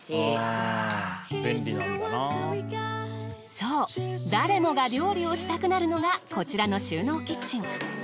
そう誰もが料理をしたくなるのがこちらの収納キッチン。